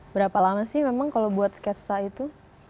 berapa lama sih memang kalau buat sketch sa itu